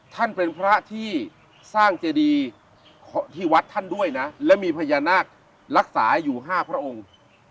ท่านเป็นพระที่สร้างเจดีที่วัดท่านด้วยนะและมีพญานาครักษาอยู่๕พระองค์